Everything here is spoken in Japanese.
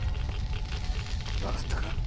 分かったか？